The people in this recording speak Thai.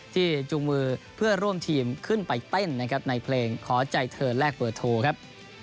จูงมือเพื่อร่วมทีมขึ้นไปเต้นนะครับในเพลงขอใจเธอแลกเบอร์โทรครับ